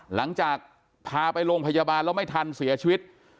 หลังจากพาไปโรงพยาบาลแล้วไม่ทันเสียชีวิต